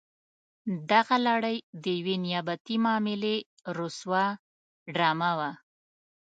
دغه لړۍ د یوې نیابتي معاملې رسوا ډرامه وه.